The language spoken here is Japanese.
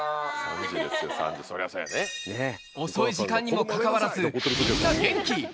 遅い時間にも関わらず、みんな元気。